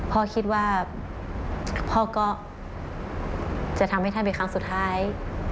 พ่อคิดว่าพ่อก็จะทำให้ท่านเป็นครั้งสุดท้าย